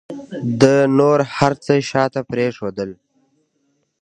ده نور هر څه شاته پرېښودل.